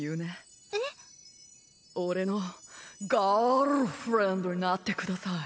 俺のガールフレンドになってください。